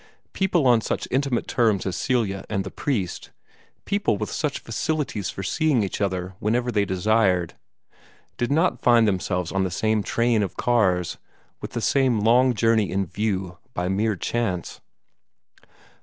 People on such intimate terms as Celia and the priest people with such facilities for seeing each other whenever they desired did not find themselves on the same train of cars, with the same long journey in view, by mere chance.